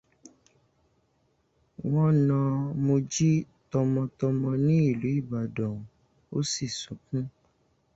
Wọ́n na Mojí tọmọ-tọmọ ní ìlú Ìbàdàn, ó sì sunkún